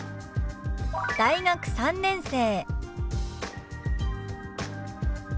「大学３年生」。